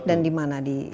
dan di mana